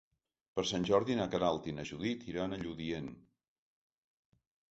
Per Sant Jordi na Queralt i na Judit iran a Lludient.